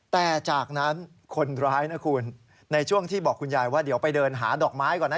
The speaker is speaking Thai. แต่จากนั้นคนร้ายนะคุณในช่วงที่บอกคุณยายว่าเดี๋ยวไปเดินหาดอกไม้ก่อนนะ